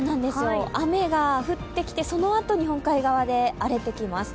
雨が降ってきてそのあと日本海側で荒れてきます。